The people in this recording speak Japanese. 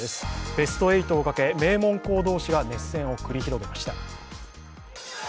ベスト８をかけ、名門校同士が熱戦を繰り広げました。